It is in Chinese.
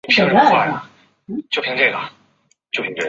纽卡斯尔联和米德尔斯堡获得第一轮轮空。